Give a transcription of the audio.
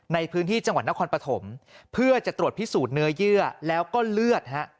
ในพื้นที่จังหวัดนครปฐมเพื่อจะตรวจพิสูจน์เนื้อเยื่อแล้วก็เลือดฮะ